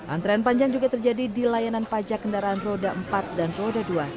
antrean panjang juga terjadi di layanan pajak kendaraan roda empat dan roda dua